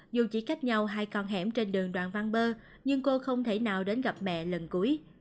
dù chỉ cách nhau hai con hẻm trên đường đoàn văn bơ nhưng cô không thể nào đến gặp mẹ lần cuối